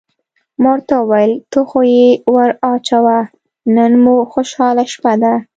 ما ورته وویل: ته خو یې ور واچوه، نن مو خوشحاله شپه ده.